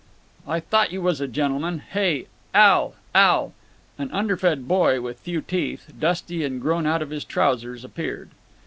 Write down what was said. "I thought you was a gentleman. Hey, Al! Al!" An underfed boy with few teeth, dusty and grown out of his trousers, appeared.